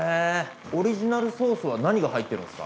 オリジナルソースは何が入ってるんですか？